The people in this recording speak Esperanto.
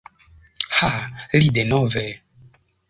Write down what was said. Ha, li... denove?!